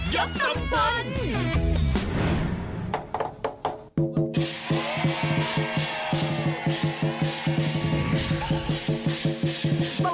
แฮะยกตำตน